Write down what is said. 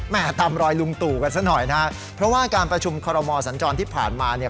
ตามรอยลุงตู่กันซะหน่อยนะฮะเพราะว่าการประชุมคอรมอสัญจรที่ผ่านมาเนี่ย